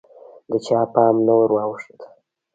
د چا پام نه وراوښت